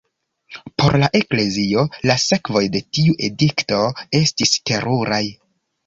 Por la Eklezio, la sekvoj de tiu edikto estis teruraj.